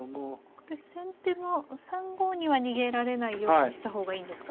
これ先手は３五には逃げられないようにした方がいいんですか。